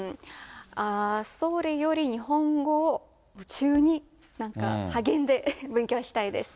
それより、日本語を夢中に、励んで勉強したいです。